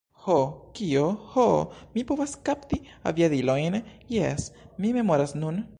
Ho, kio? Ho, mi povas kapti aviadilojn, jes, mi memoras nun.